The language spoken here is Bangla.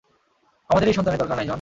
আমাদের এই সন্তানের দরকার নাই, জন।